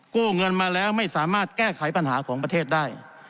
กู้เงินมาแล้วไม่สามารถแก้ไขปัญหาของประเทศได้